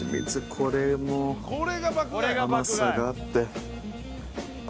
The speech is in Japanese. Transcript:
これも甘さがあって。